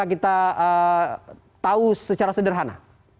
kita tahu secara sederhana